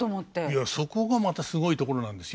いやそこがまたすごいところなんですよ。